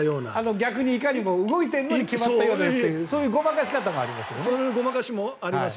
逆にいかにも動いて決まったようなというそういうごまかし方もありますね。